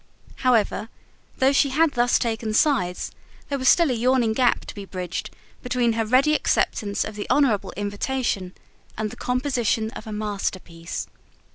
However, though she had thus taken sides, there was still a yawning gap to be bridged between her ready acceptance of the honourable invitation, and the composition of a masterpiece.